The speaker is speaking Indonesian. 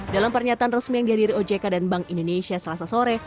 dalam pernyataan resmi yang dihadiri ojk dan bank indonesia selasa sore